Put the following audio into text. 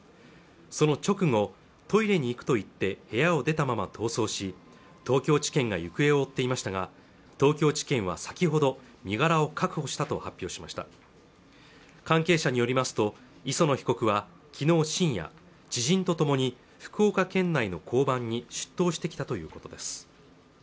その直後トイレに行くと言って部屋を出たまま逃走し東京地検が行方を追っていましたが東京地検は先ほど身柄を確保したと発表しました関係者によりますと磯野被告は昨日深夜知人とともに福岡県内の交番に出頭してきたということです